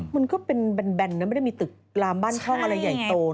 มันก็เป็นแบนนะไม่ได้มีตึกลามบ้านคล่องอะไรใหญ่โต